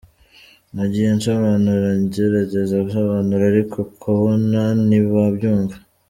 ’Nagiye nsobanura, ngerageza nsobanura, ariko ukabona ntibabyumva.